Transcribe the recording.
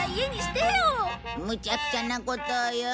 むちゃくちゃなことを言う。